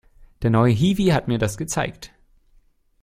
Der neue Hiwi hat mir das gezeigt.